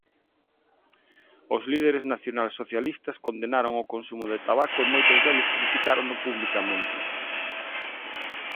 Os líderes nacionalsocialistas condenaron o consumo de tabaco e moitos deles criticárono publicamente.